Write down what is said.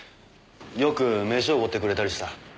よく飯おごってくれたりした。